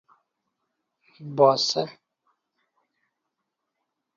باسه